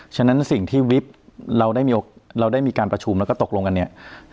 ฉะนั้นสิ่งที่วิบเราได้มีการประชุมแล้วก็ตกลงกันเนี่ย